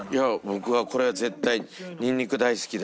僕はこれ絶対ニンニク大好きだし。